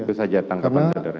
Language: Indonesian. itu saja tangkapan saudara